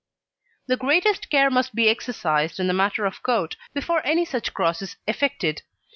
The greatest care must be exercised in the matter of coat before any such cross is effected.